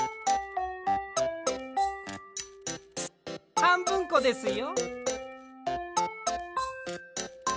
はんぶんこですよ。